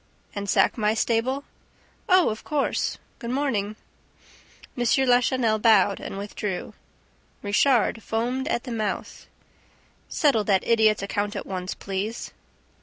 "And sack my stable?" "Oh, of course! Good morning." M. Lachenel bowed and withdrew. Richard foamed at the mouth. "Settle that idiot's account at once, please."